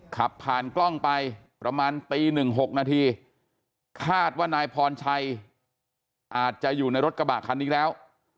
ขับผ่านกล้องไปประมาณตีหนึ่งหกนาทีคาดว่านายพรชัยอาจจะอยู่ในรถกระบะคันนี้แล้ว